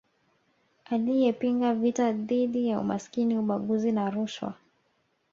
Aliyepinga vita dhidi ya umasikini ubaguzi na rushwa